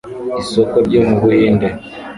Isoko ryo mu Buhinde